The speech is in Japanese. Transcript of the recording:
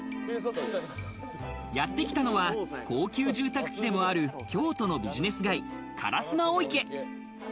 やってきたのは高級住宅地でもある京都のビジネス街・烏丸御池。